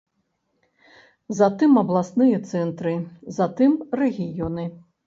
Затым абласныя цэнтры, затым рэгіёны.